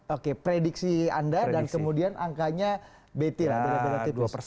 oke prediksi anda dan kemudian angkanya beti lah